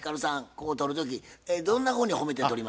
こう撮る時どんなふうに褒めて撮りますか？